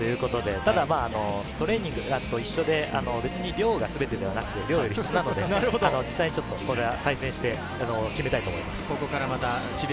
ただ、トレーニングと一緒で、別に量がすべてではなくて量より質なので、ここは対戦して決めたいと思います。